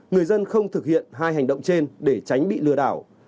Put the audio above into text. người dân không thực hiện hai hành động trên để tránh bị lừa đảo